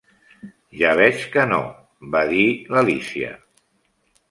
"Ja veig que no", va dir l'Alícia.